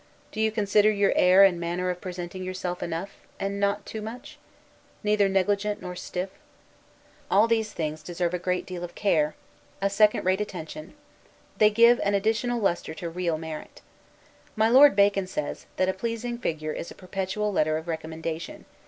Do you consider your air and manner of presenting yourself enough, and not too much? Neither negligent nor stiff? All these things deserve a degree of care, a second rate attention; they give an additional lustre to real merit. My Lord Bacon says, that a pleasing figure is a perpetual letter of recommendation.